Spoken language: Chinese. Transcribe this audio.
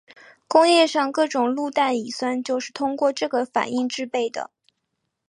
工业上各种氯代乙酸就是通过这个反应制备的。